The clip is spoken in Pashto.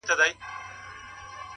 علم د پوهې بنسټ جوړوي